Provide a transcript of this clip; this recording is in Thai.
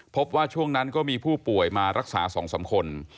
พบว่าช่วงนั้นก็มีผู้ป่วยมารักษา๒๓คน